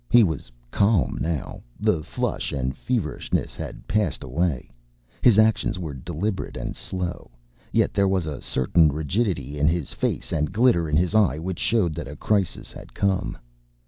He was calm now; the flush and feverishness had passed away; his actions were deliberate and slow. Yet there was a certain rigidity in his face and glitter in his eye which showed that a crisis had come.